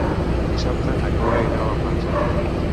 Dissabte na Cloè irà a la platja.